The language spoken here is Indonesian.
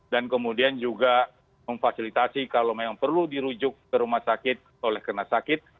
dan kemudian juga memfasilitasi kalau memang perlu dirujuk ke rumah sakit oleh kena sakit